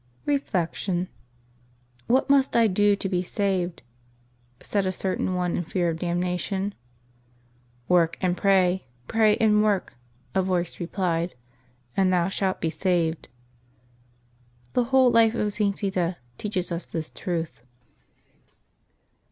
Reflection. — "What must I do to be saved?" said a certain one in fear of damnation. " Work and pray, pray and v:9rk," a voice replied, "and thou shalt be saved.'' The whole life of St Zita teaches us this truth.